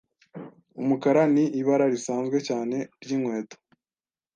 Umukara ni ibara risanzwe cyane ryinkweto.